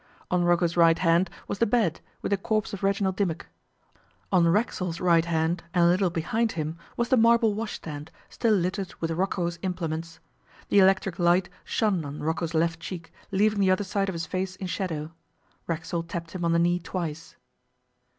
On Rocco's right hand was the bed, with the corpse of Reginald Dimmock. On Racksole's right hand, and a little behind him, was the marble washstand, still littered with Rocco's implements. The electric light shone on Rocco's left cheek, leaving the other side of his face in shadow. Racksole tapped him on the knee twice.